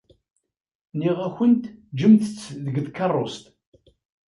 Nniɣ-awent ǧǧemt-t deg tkeṛṛust.